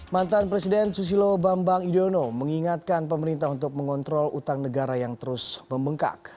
mantan presiden susilo bambang yudhoyono mengingatkan pemerintah untuk mengontrol utang negara yang terus membengkak